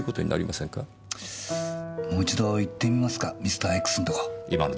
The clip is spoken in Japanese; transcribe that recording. もう一度行ってみますかＭｒ．Ｘのとこ。